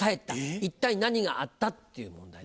一体何があった？っていう問題なんです。